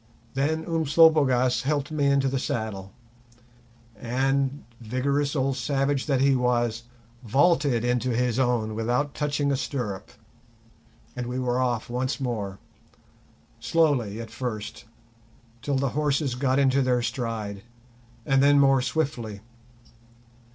Then Umslopogaas helped me into the saddle and—vigorous old savage that he was!—vaulted into his own without touching a stirrup, and we were off once more, slowly at first, till the horses got into their stride, and then more swiftly.